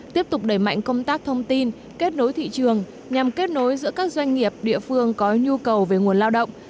tiếp tục đẩy mạnh công tác thông tin kết nối thị trường nhằm kết nối giữa các doanh nghiệp địa phương có nhu cầu về nguồn lao động